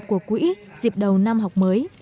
đây là hoạt động của quỹ dịp đầu năm học mới